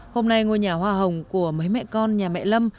hôm nay ngôi nhà hoa hồng của mấy mẹ con nhà mẹ lâm